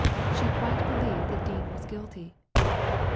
She quite believed that Dean was guilty."